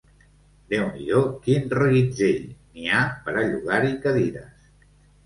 Déu n’hi do quin reguitzell! N’hi ha per a llogar-hi cadires!